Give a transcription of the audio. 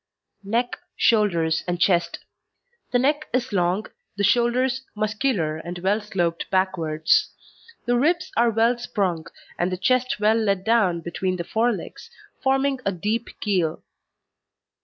NECK, SHOULDERS, AND CHEST The neck is long, the shoulders muscular and well sloped backwards; the ribs are well sprung, and the chest well let down between the forelegs, forming a deep keel.